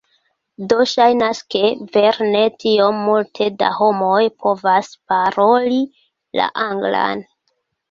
Do ŝajnas ke, vere ne tiom multe da homoj povas paroli la Anglan.